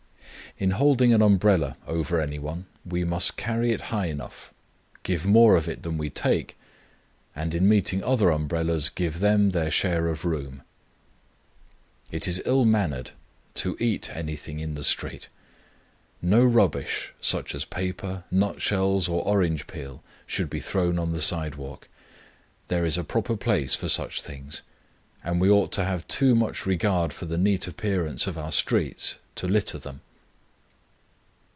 In holding an umbrella over any one, we must carry it high enough, give more of it than we take, and in meeting other umbrellas give them their share of room. It is ill mannered to eat anything in the street. No rubbish, such as paper, nutshells, or orange peel, should be thrown on the sidewalk: there is a proper place for such things; and we ought to have too much regard for the neat appearance of our streets to litter them.